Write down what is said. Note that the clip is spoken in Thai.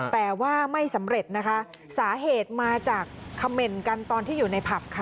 แต่ว่าไม่สำเร็จนะคะสาเหตุมาจากคำเมนต์กันตอนที่อยู่ในผับค่ะ